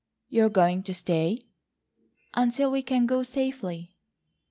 "You are going to stay?" "Until we can go safely."